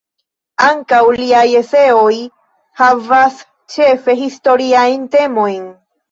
Ankaŭ liaj eseoj havas ĉefe historiajn temojn.